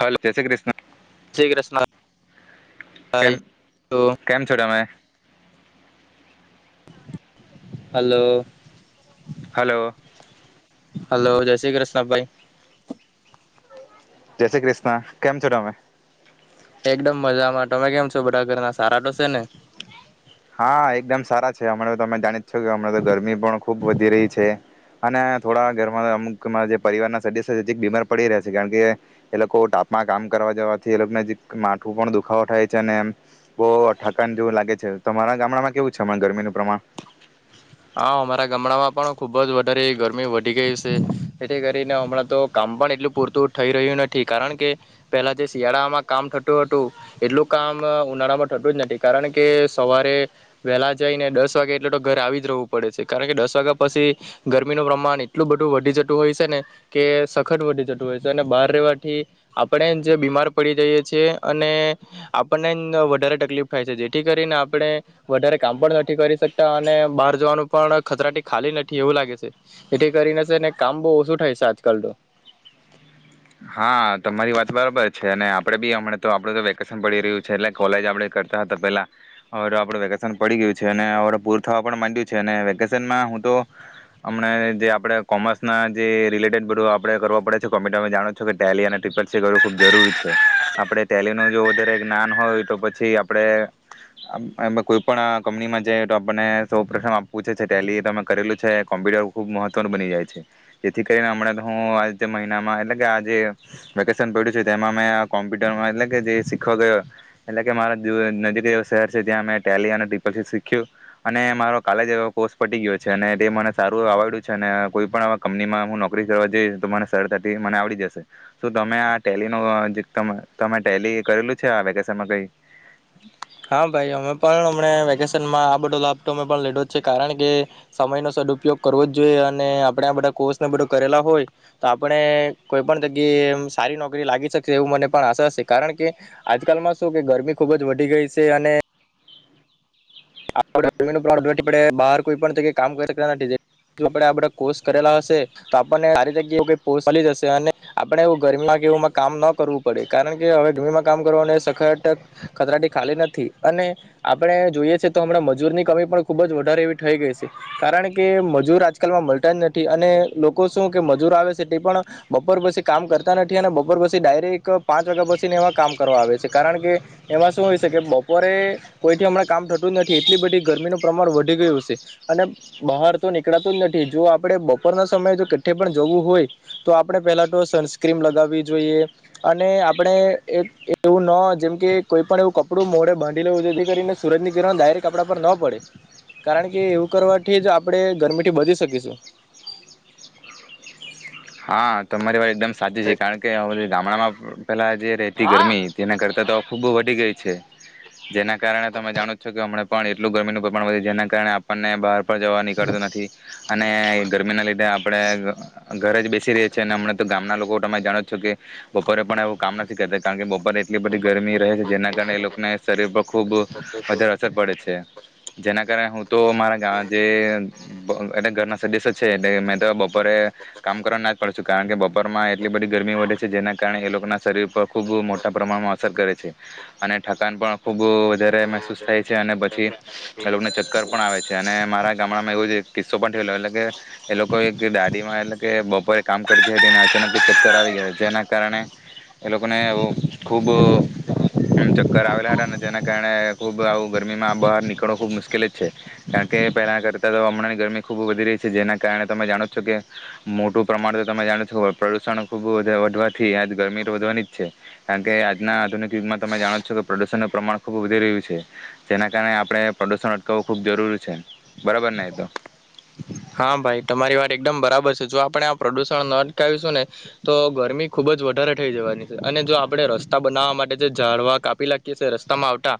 Hello જય શ્રી કૃષ્ણ શી કૃષ્ણ ભાઈ કેમ કેમ છો તમે. હલોો હલો હલો જય શ્રી કૃષ્ણભાઈ જય શ્રી ક્રિષ્ણ કેમ છોમે એકદમ મજામાં તમે કેમ છો બધા ઘરના સારા તો છે ને હા એકદમ સારા છે અમારે તો તમે જાણી કે હણાં તો ગરમી પણ ખુબ વધી રહી છે અને થોડા ઘરમાં અમુક અમારા જે પરિવાર ના સદસ્ય છે જેક બીમાર પડી રહ્યા છે કારણ કે એ લોકો ટાપમાં કામ કરવા જવાથી એ લોકોને જે માથું પણ દુખાવો થાય છે અને બહુ ઠકાન જેવું લાગે છે. તમારા ગામડામાં કેવું છે ગરમીનું પ્રમાણ હા અમારા ગામડામાં પણ ખુબ જ વધારે ગરમી વધી ગઈ છે જેથી કરીને હમણાં તો કામ પણ એટલું પૂરતું થઈ રહ્યું નથી કારણ કે પેલા જે શિયાળામાં કામ થતું હતું એટલું કામ ઉનાળામાં થતું જ નથી કારણ કે સવારે વહેલા જઈને દસ વાગે એટલ તો ઘર આવી પડે. કારણ કે દસ વાગ્યા પછી ગરમીનું પ્રમાણ એટલું બધું વધી જતું હોય છે ને કે સખત વધી જતું હોય છે અને બહાર રવાથી આપણે જે બીમાર પડી જઈએ છીએ અને આપણને જ વધારે તકલીફ થાય છે જેથી કરીને આપણે વધારે કામ પણ નથી કરી શકતા અને બહાર નું પણ ખતરાટી ખાલી નથી એવું લાગે છે એથી કરીનેને કામ બહુ ઓછું થાય છે આજકાલ તો હા તમારી વાત બરાબર છે અને આપડે બી હમણા તો આપડ તો વેકેશન પડી રહ્યું છે એટલે કોલેજ આપડે કરતા હતા પેલા હવે તો આપડ વેકેશન પડી ગયું છે અને હવે પૂર થવા પણ માંડ્યું છે અને વેકેશનમાં હું તો હમને જે આપડે કોમર્સના જે રિલેટેડ બધું આપડે કરવા પડે છે કોમ્યટ જાણો છ કે ટેલી અને ટ્રિપલ સી કરવું ખૂબ જરૂરી છે. આપણે ટેલીનું જો વધારે જ્ઞાન હોય તો પછી આપણે આમ આમાં કોઈ પણ કંપનીમાં જઈએ તો આપણને સૌ પ્રથમ આપવું છે ટેલી અમે કરેલું છે, કોમ્પ્યુટર ખૂબ મહત્ત્વનું બની જાય છે. જેથી કરીને હમણાં તો હું આજ મહિનામાં એટલે કે આ જે વેકેશન પડ્યું છે તેમાં મેં આ કોમ્પ્યુટરમાં એટલે કે જે શીખવા ગયો એટલે કે મારા દે નજીક એવ શહેર છે ત્યાં મેં ટેલી અને ટપલસી શીખ્યું અને મારો કાલેજ એવો કોસ્ટ પટી ગયો છે. અને તે મને સારું એ આવડ્યું છે અને કોઈ પણ કંપનીમાં હું નોકરી કરવા જોઈ તો મને સરળતાથી મને આવડી જશ શે. શું તમે આ ટેલી નો અહ જે તમ-તમે ટેલી કરેલું છે આ વેકેશનમાં કઈ? હા ભાઈ અમે પણ એમણે વેકેશનમાં આ બધો લાભટો અમે પણ લીધો જ છે કારણ કે સમયનો સદઉપયોગ કરવો જ જોઈએ અને આપડા આ બધા કોર્સને બધું કરેલા હોય તો આપણે કોઈ પણ જગ્યાએ એ સારી નોકરી લાગી શકશે એવું મને પણ આશા છે. કારણ કે આજકાલમાં શું કે ગરમી ખૂબ જ વધી ગઈસ તે અને [unintelligible] બાર કોઈ પણ જગ્યે કામ કર શકતા ને [unintelligible] આ બધા કોર્ષ કરેલા હશે તો આપણને [unintelligible] ચાલી જશે અને આપણે એવ ગરમીમાં કે કામ ન કરવું પડે કારણ કે હવે ગમીમાં કામ કરવાને સખત ખતરાટી ખાલી નથી અને આપણે જોઈએ છે તો હમણાં મજૂરની કમી પણ ખૂબ જ વધારે એવી થઈ ગઈ છે. કારણ કે મજૂર આજકાલમાં મળતા જ નથી અને લોકો શું કે મજૂર આવે છે તે પણ બપોર પછી કામ કરતા નથી અને બપોર પછી ડાયરેક પાંચ વાગ્યા પછીને એમાં કામ કરવા આવે છે કારણ કે એમાં શું હોય છે કે બપોરે કોઈથી હમણાં કામ થ તું નથી એટલી બધી ગરમીનું પ્રમાણ વધી ગયું છે. અને બહાર તો નીકળાતું જ નથી જો આપે બપોરના સમયે જો કેઠે પણ જવું હોય તો આપણે પેલા તો સનસ્ક્રીમ લગાવવી જોઈએ અને આપણે એક એવું ન જેમકે કોઈ પણ એવું કપડું મોડે બાંધી લેવું જેથી કરીને સૂરજની કિરણ ડાયરેક્ટ આપડા પર ના પડે. કારણ કે એવું કરવાથી જ આપણે ગરમીથી બચી શકીશું. હા તમારી વાય એકદમ સાચી છે કારણ કે હ ગામડામાં પેલા જે રહેતી ગરમી તેના કરતાં તો ખૂબ વધી ગઈ છે, જેના કારણે તમે જાણો છો કે હમણાં પણ એટલું ગરમીનું પ્રમાણ વધે જેના કારણે આપણને બહાર જવા નીકળતું નથી અને ગરમીના લીધે આપણે ઘરે જ બે હમણા તો ગામના લોકો તમે જાણો છો કે બપોરે પણ એવું કામ નથી કરતા કારણ કે બ પોરે એટલી બધી ગરમી રહે છે જેના કારણે એ લોકોને શરીર પર ખૂબ વધારે અસર પડે છે, જેના કારણે હું તો મારા ગ જે ઘરના સદેશ છે એ મે તો બપરે કામ કર ના પણ છું કારણ કે બપોરમાં એટલી બધી ગરમી વધે છે જેના કારણે એ લોકોના શરીર પર ખૂબ મોટા પ્રમાણમાં અસર કરે છે અને ઠકાન પણ ખૂબ એટ મહેસૂસ થાય છે અને પછી એ લોકોને ચક્કર પણ આવે છે અને મારા ગામડામાં એવું જ કિસ્સો પણ થયેલો એટલે કે એ લોકો એક ડાડી માં એટલે કે બપોરે કામ કરતી હતીને અચાનક ચક્કર આવી ગયા જેના કારણે એ લોકોને ખૂબ ચક્કર આવેલા હતા ને જેના કારણે ખૂબ આવું ગરમીમાં બહાર નીકળવું ખૂબ મુશ્કેલ જ છે. કારણ કે પહેલા કરતા તો હમણાંની ગરમી ખૂબ વધી રહી છે જેના કારણે તમે જાણો છો કે મોટું પ્રમાણ તો તમે જાણો છો પ્રદુષણ ખૂબ વધવાથી આજ ગરમી તો વધવાની જ છે, કારણ કે આજના આધુનિક યુગમાં તમે જાણો છો કે પ્રદુષણનું પ્રમાણ ખૂબ વધી રહ્યું છે જેના કારણે આપણે પ્રદુષણ અટકાવવું ખૂબ જરૂર છે બરાબર ને એ તો? હા ભાઈ તમારી વાત એકદમ બરાબર છે જો આપણે આ પ્રદુષણ ન અટકાવીશું ને તો ગરમી ખુબ જ વધારે થઈ જવાની છે અને જો આપણે રસ્તા બનાવવા માટે જે ઝડવા કાપી લાકિયે છીએ રસ્તામાં આવતા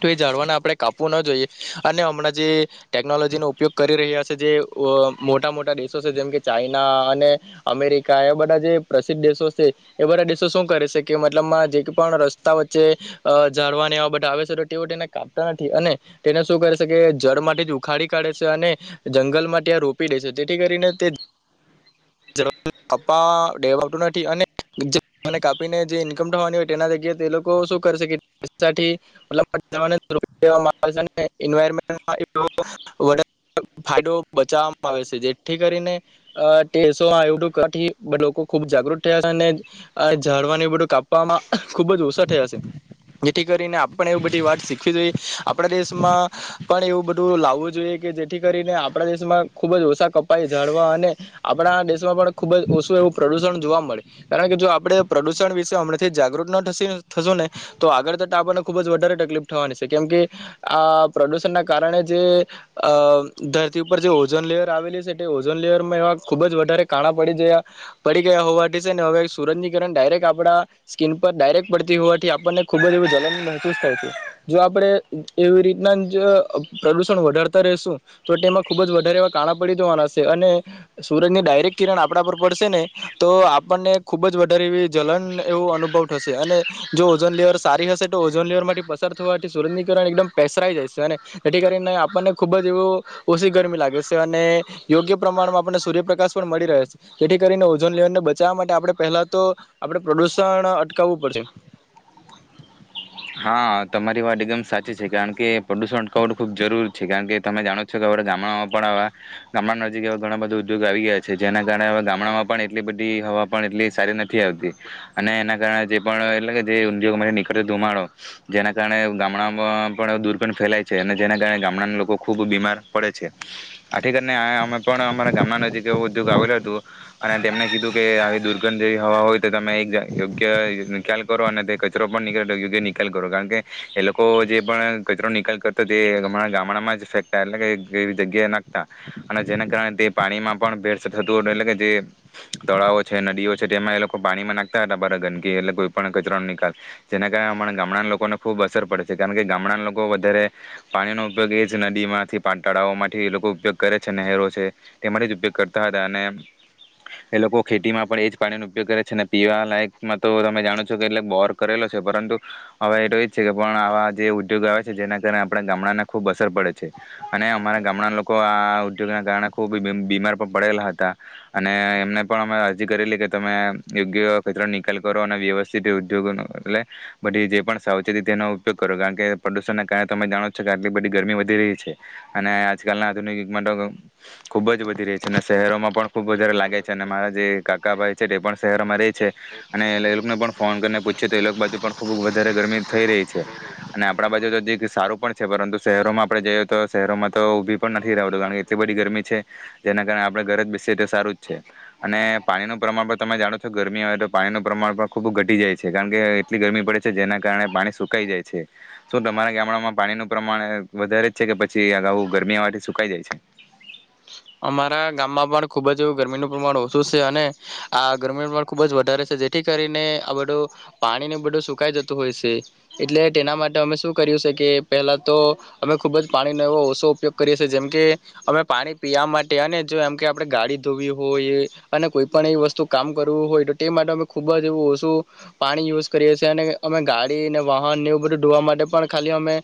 તો એ ઝડવાને આપણે કાપવું ના જોઈએ, અને હમણાં જે ટેકનોલોજીનો ઉપયોગ કરી રહ્યા જે મોટા મોટા દેશો છે જેમ કે ચાઈના અને અમેરિકા એવા બધા જે પ્રસિદ્ધ દેશો છે એ બધા દેશો શું કરે છે કે મતલબમાં જે પણ રસ્તા વચ્ચે જાળવાને બધા આવે છે તો તેઓ તેને કાપતા નથી અને તેને શું કરે છે કે જળ માંથી જ ઉખાડી કાઢે છે અને જંગલમાં ત્યાં રોપી દે છે તેથી કરીને તે [unintelligible] નથી અનેને કાપીને જે ઈન્કમ થવાની હોય તેના જગ્યાએ તે લોકો શું કરશે [unintelligible] ફાયદો બચાવવામાં આવે છે જેથી કરીને અ [unintelligible] એવું કી લોકો ખુબ જાગૃત થયા છે અને આ ઝાડવાનું એ બધું કાપવામાં ખુબ જ ઓછા થયા છે. જેથી કરીને આપણે એવું બધી વાત શીખવી જોઈએ. આપણા દેશમાં પણ એવું બધું લાવવું જોઈએ કે જેથી કરીને આપણા દેશમાં ખુબ જ ઓછા કપાઈ ઝાડવા અને આપણા દેશમાં પણ ખૂબ જ ઓછું એવું પ્રદૂષણ જોવા મળે, કારણ કે જો આપણે પ્રદૂષણ વિશે હમણાંથી જાગૃત ન થશું ને તો આગળ થતાં આપણને ખૂબ જ વધારે તકલીફ થવાની છે કેમ કે આ પ્રદુષણના કારણે જે અ ધરતી ઉપર જે ઓઝોન લેયર આવેલી છે તે ઓઝોન લેયરમાં એવા ખુબ જ વધારે કાણા પડી જ્યાં પડી ગયા હોવાથી છે અને હવે સૂરજનીકરણ ડાયરેક્ટ આપણા સ્કીિન પર ડાયરેક્ટ પડતી હોવાથી આપણને ખૂબ જ એવું જલન મહેસૂસ થાય છે જો આપણે એવી રીતના જ પ્રદુષણ વધારતા રશું તો તેમાં ખુબ જ વધારે એવા કાણા પડી જવાના છે અને સુરજની ડાયરેક્ટ કિરણ આપણા પર પડશે ને, તો આપણને ખુબ જ વધારે એવી જલન એવો અનુભવ થશે અને જો ઓઝોન લેયર સારી હશે તો ઓઝોન લેયરમાંથી પસાર થવાથી સુરજની કિરણ એકદમ પેસરાઈ જાય સે અને જેથી કરીને આપણને ખુબ જ એવું ઓસી ગરમી લાગે સે અને યોગ્ય પ્રમાણમાં આપણને સૂર્યપ્રકાશ પણ મળી રહે સે. જેથી કરીને ઓઝોન લેયરને બચાવા માટે આપણે પહેલા તો આપણે પ્રદુષણ અટકાવવું પડશે. હા, તમારી વાત એકદમ સાચી છે. કારણ કે પ્રદૂષણ [unintelligible] ખુબ જરૂર છે. કારણ કે તમે જાણો જ છો કે આપળે ગામડામાં પણ આવા ગામડા નજીક એવા ઘણા બધૂ ઉદ્યોગ આવી ગ્યા છે. જેના કારણે હવે ગામડામાં પણ એટલી બધી હવા પણ એટલી સારી નથી આવતી અને એના કારણે જે પણ એટલે કે જે ઉદ્યોગમાંથી નીકળે ધુમાડો. જેના કારણે ગામડામાં પણ દુર્ગંધ ફેલાય છે અને જેના કારણે ગામડાના લોકો ખૂબ બીમાર પડે છે. આથી કરીને આય અમે પણ અમારા ગામના નજીક એ ઉ દ્યોગ આવેલું હતું અને તેમને કીધું કે આવી દુર્ગંધ જેવી હવા હોય તો તમે એક જા યોગ્ય ખ્યાલ કરો અને તે કચરો પણ નીકળે તો યોગ્ય ની કાલ કરો કારણ કે એ લોકો જે પણ કચરો નિકાલ કરતા તે અમારા ગામડામાં જ ફેંકતા એટલે કે એ એવી જગ્યાએ નાખતા અને જેના કારણે તે પાણીમાં પણ ભેર્સ થતું. એટલે કે જે તળાવો છે, નદીઓ છે તેમાં એ લોકો પાણીમાં નાખતા હતા બારા ગંદકી એટલે કોઈ પણ કચરા ન નિકાલ. જેના કારણે અમારા ગામડાના લોકોને ખૂબ અસર પડે છે. કારણ કે, ગામડાના લોકો વધારે પાણીનો ઉપયોગ એ જ નદીમાંથી, પા તળાવઓમાંથી એ લોકો ઉપયોગ કરે છે, નહેરો છે. તેમાંથી જ ઉપયોગ કરતા હતા અને એ લોકો ખેતીમાં પણ એ જ પાણીનો ઉપયોગ કરે છે અને પીવા લાયકમાં તો તમે જાણો છો કે એટલે બોર કરેલો છે. પરંતુ હવે એ તો એ જ છે કે પણ આવા જે ઉદ્યોગ આવે છે. જેના કારણે આપણે ગામડાને ખુબ અસર પડે છે અને અમારા ગામડા ન લોકો આ ઉદ્યોગના કારણે ખૂબ બીમ બીમાર પણ પડેલા હતા અને એમને પણ અમે અરજી કરેલી કે તમે યોગ્ય કચરો નિકાલ કરો અને વ્યવસ્થિત એ ઉદ્યોગોનો. એટલે બધી જે પણ સાવચેતી તેનો ઉપયોગ કરો. કારણ કે, પ્રદુષણના કારણે તમે જાણો જ છો કે આટલી બધી ગરમી વધી રહી છે અને આજકાલના આધુનિક યુગમાં તો ખુબ જ વધી રહી છે અને શહેરોમાં પણ ખૂબ વધારે લાગે છે અને મારા જે કાકા ભાઈ છે તે પણ શહેરમાં રે છે અને લ એ લોકને પણ ફોન કરીને પૂછ્યું તો એ લોક બાજુ પણ ખૂબ વધારે ગરમી થઈ રહી છે અને આપણા બાજુ તો જીક સારું પણ છે. પરંતુ, શહેરોમાં આપણે જઈએ તો શહેરોમાં તો ઊભી પણ નથી રહવાતું કારણ કે એટલી બધી ગરમી છે. જેના કારણે આપણે ઘરે જ બેસીએ તો સારું જ છે અને પાણીનો પ્રમાણ પણ તમે જાણો છો ગરમી આવે તો પાણીનો પ્રમાણ પણ ખૂબ ઘટી જાય છે. કારણ કે, એટલી ગરમી ના કારણે પાણી સુકાઈ જાય છે. શું તમારા ગામડામાં પાણીનું પ્રમાણ વધારે જ છે કે પછી અગાઉ ગરમી આવાથી સુકાઈ જાય છે? અમારા ગામમાં પણ ખુબ જ એવુ ગરમીનું પ્રમાણ ઓછું સે અને આ ગરમીનું પ્રમાણ ખુબ જ વધારે છે જેથી કરીને આ બધું પાણીને બધું સુકાઈ જતું હોય સે. એટલે તેના માટે અમે શું કર્યું સે કે પહેલા તો અમે ખુબ જ પાણીનો એવો ઓસો ઉપયોગ કરીએ સે. જેમ કે અમે પાણી પીયા માટે અને જો એમ કે આપળે ગાડી ધોવી હોઈ અને કોઈ પણ એવી વસ્તુ કામ કરવું હોય તો તે માટે અમે ખૂબ જ એવું ઓસુ પાણી યુઝ કરીએ સે અને અમે ગાડી ને, વાહન ને એવું બધું ધોવા માટે પણ ખાલી અમે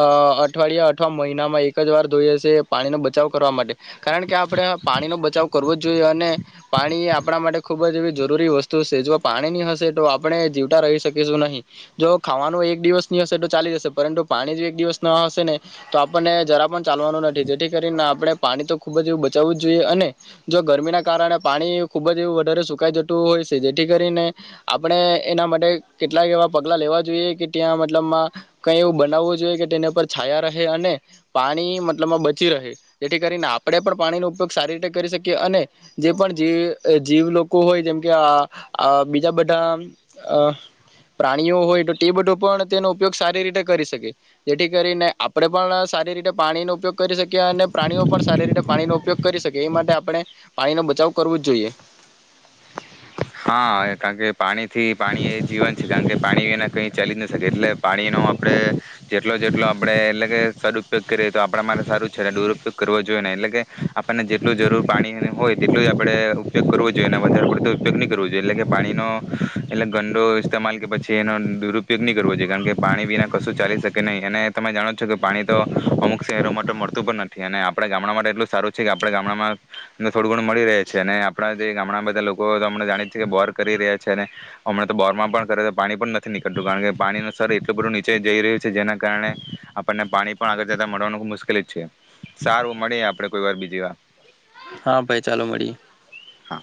અ અઠવાડિયા અઠવા મહિનામાં એક જ વાર ધોઈએ સે, પાણીનો બચાવ કરવા માટે. કારણ કે, આ પળે પાણીનો બચાવ કરવો જ જોએ અને પાણી એ આપળા માટે ખૂબ જ એવી જરૂરી વસ્તુ સે. જો પાણી ની હશે તો આપણે જીવતા રહી શકીશું નહીં. જો ખાવાનું એક દિવસ ની હશે તો ચાલી જશે પરંતુ પાણી જો એક દિવસ ન હશે ને તો આપણને જરા પણ ચાલવાનું નથી. જેથી કરીને આપણે પાણી તો ખૂબ જ એવું બચાવવું જ જોઈએ અને જો ગરમીના કારણે પાણી ખુબ જ એવું વધારે સુકાઈ જતું હોય સે. જેથી કરીને આપણે એના માટે કેટલાક એવા પગલા લેવા જોઈએ કે ત્યાં મતલબમાં કઈ એવું બનાવવું જોઈએ કે તેને પર છાયા રહે અને પાણી મતલબમાં બચી રહે. જેથી કરીને આપણે પણ પાણીનો ઉપયોગ સારી રીતે કરી શકીએ અને જે પણ જી જીવ લોકો હોય જેમકે આ બીજા બધા પ્રાણીઓ હોય તો તે બધો પણ તેનો ઉપયોગ સારી રીતે કરી શકેએ જેથી કરીને આપણે પણ સારી રીતે પાણીનો ઉપયોગ કરી શકીએ અને પ્રાણીઓ પણ સારી રીતે પાણીનો ઉપયોગ કરી શકે એ માટે આપણે પાણી નો બચાવ કરવો જ જોઈએ. હા કારણ કે પાણીથી પાણી એ જીવન છે કારણ કે પાણી વિના કંઈ ચાલી જ ન શકે એટલે પાણીનો આપણે જેટલો જેટલો આપણે એટલે કે સદઉપયોગ કરીએ તો આપડા માટે સારું છે ને દુરુપયોગ કરવો જોઈએ ને એટલે કે આપણને જેટલું જરૂર પાણીની હોય તેટલું જ આપડે ઉપયોગ કરવો જોઈએ ને વધારે પડતું ઉપયોગ ન કરવો જોઈએ એટલે કે પાણીનો એટલે ગંડો ઇસ્તેમાલ કે પછી એનો દુરુપયોગ નહી કરવો જોઈએ કારણ કે પાણી વિના કશું ચાલી શકે નહીં અને તમે જાણો છો કે પાણી તો અમુક શહેરો માટે મળતું પણ નથી અને આપડા ગામડા માટે એટલું સારું છે કે આપડા ગામડામાં થોડું ગુણ મળી રહે છે અને આપણા જે ગામડા બધા લોકો તો અમ જાણીએ છી કે બોર કરી રહ્યા છે ને હમણા તો બોરમાં પણ કરે પાણી પણ નથી નીકળતું કારણ કે પાણી ન સ્ર એટલું બધું નીચે જઈ રહ્યું છે જેના કારણે આપણને પાણી પણ આગળ જતા મળવાનું ખબ મુશ્કેલ જ છે સારું મળી આપણે કોઈ વાર બીજી વાર હા ભાઈ ચાલો મળી. હા